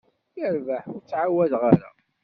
Yerbeḥ, ur ttɛawadeɣ ara.